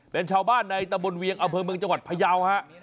เป็นชาวบ้านในตะบนเวียงอำเภอเมืองจังหวัดพยาวฮะ